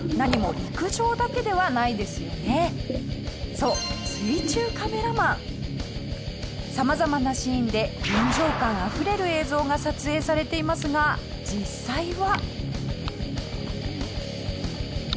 そう様々なシーンで臨場感あふれる映像が撮影されていますが実際は。